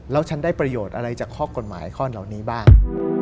แล้วฉันได้ประโยชน์อะไรจากข้อกฎหมายข้อเหล่านี้บ้าง